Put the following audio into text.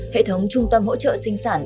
hệ thống trung tâm hỗ trợ sinh sản